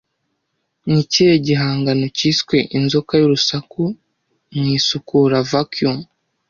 Ni ikihe gihangano cyiswe inzoka y'urusaku mu Isukura Vacuum